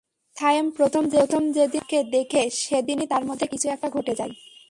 সায়েম প্রথম যেদিন জারাকে দেখে, সেদিনই তার মধ্যে কিছু একটা ঘটে যায়।